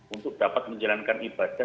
untuk dapat menjalankan ibadah